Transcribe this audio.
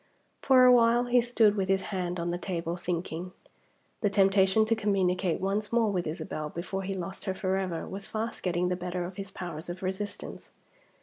For a while he stood with his hand on the table, thinking. The temptation to communicate once more with Isabel before he lost her forever, was fast getting the better of his powers of resistance.